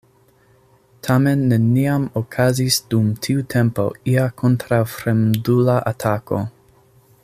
Tamen neniam okazis dum tiu tempo ia kontraŭfremdula atako.